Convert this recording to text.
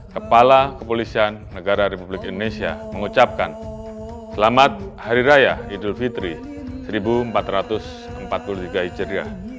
kepala kepolisian negara republik indonesia mengucapkan selamat hari raya idul fitri seribu empat ratus empat puluh tiga hijriah